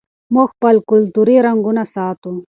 موږ خپل کلتوري رنګونه ساتو.